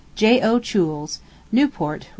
J.O. CHOULES. NEWPORT, R.